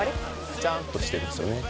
ぺちゃんとしてるんですよね